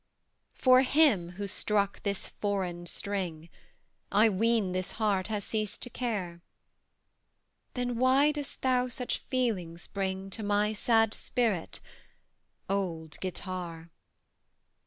For him who struck thy foreign string, I ween this heart has ceased to care; Then why dost thou such feelings bring To my sad spirit old Guitar?